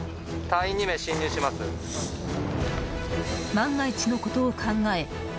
万が一のことを考え